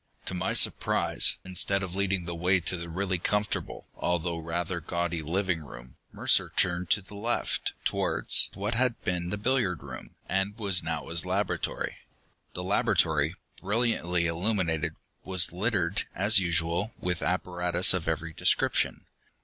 To my surprise, instead of leading the way to the really comfortable, although rather gaudy living room, Mercer turned to the left, towards what had been the billiard room, and was now his laboratory. The laboratory, brilliantly illuminated, was littered, as usual, with apparatus of every description.